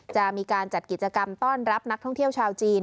จะมีการจัดกิจกรรมต้อนรับนักท่องเที่ยวชาวจีน